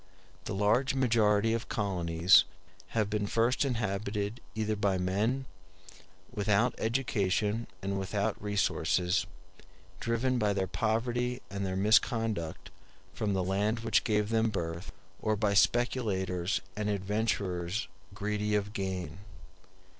The large majority of colonies have been first inhabited either by men without education and without resources, driven by their poverty and their misconduct from the land which gave them birth, or by speculators and adventurers greedy of gain.